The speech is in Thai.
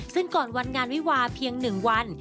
ซึ่งก่อนวันงานวิวาเพียง๑วัน